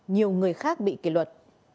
nhiều người khác bị kỳ luật